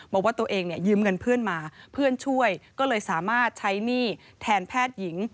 บอกว่าตัวเองเนี่ยยืมเงินเพื่อนมาเพื่อนช่วยก็เลยสามารถใช้หนี้แทนแพทย์หญิง